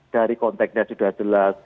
dari konteksnya sudah jelas